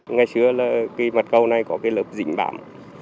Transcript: ngày xưa là cái mặt cầu này có cái lớp dính bám